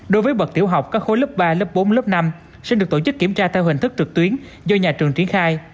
đối với bậc tiểu học các khối lớp ba lớp bốn lớp năm sẽ được tổ chức kiểm tra theo hình thức trực tuyến do nhà trường triển khai